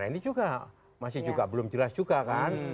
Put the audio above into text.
nah ini juga masih juga belum jelas juga kan